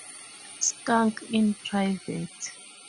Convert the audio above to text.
Skunk in private.